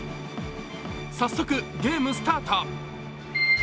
早速、ゲームスタート。